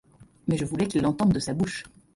Mais je voulais qu'il l'entende de sa bouche.